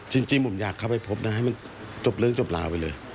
จริงผมอยากเข้าไปพบนะให้มันจบเรื่องจบราวไปเลย